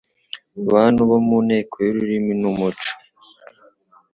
Bantu bo mu Nteko y'ururimi n'umuco.